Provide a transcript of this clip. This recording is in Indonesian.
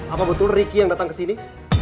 apa betul ricky yang datang kesini